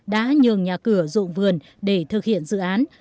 đã nhường nhà cửa ruộng vườn để thực hiện dự án